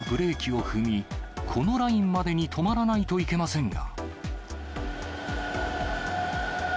段差を乗り越えてからブレーキを踏み、このラインまでに止まらないといけませんが。